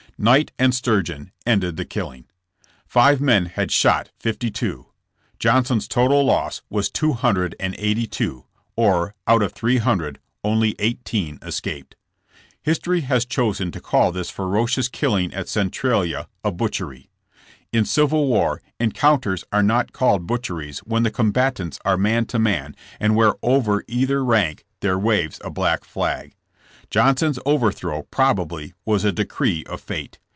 Night and Sturgeon ended the killing. Five men had shot fifty two. Johnson's total loss was two hundred and eighty two, or out of three hundred only eighteen escaped. History has chosen to call this ferocious killing at Centralia a butchery. In civil war en counters are not called butcheries when the comba tants are man to man and where over either rank there waves a black flag. Johnson's overthrow, probably, was a decree of fate.